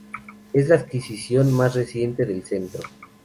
Es la adquisición más reciente del centro.